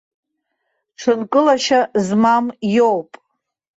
Ҽынкылашьа змам иоуп.